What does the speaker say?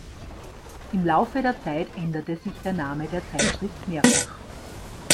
Im Laufe der Zeit änderte sich der Name der Zeitschrift mehrfach.